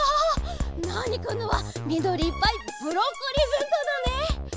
ナーニくんのはみどりいっぱいブロッコリーべんとうだね！